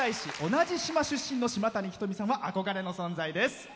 同じ島出身の島谷ひとみさんは憧れの存在です。